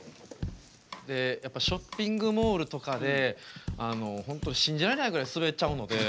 ショッピングモールとかで本当信じられないぐらいスベっちゃうので。